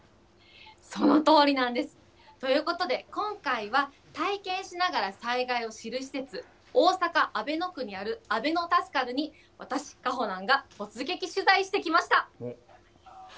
そのとおりなんです。ということで、今回は体験しながら災害を知る施設、大阪・阿倍野区にあるあべのタスカルに、私、かほなんが突撃取材してきました。